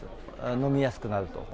飲みやすくなると思う。